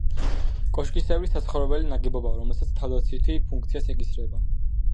კოშკისებრი საცხოვრებელი ნაგებობაა, რომელსაც თავდაცვითი ფუნქციაც ეკისრება.